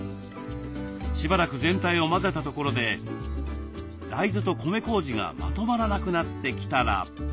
しばらく全体を混ぜたところで大豆と米こうじがまとまらなくなってきたら。